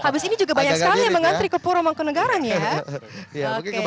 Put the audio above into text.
habis ini juga banyak sekali yang mengantri ke puro mangkunagaran ya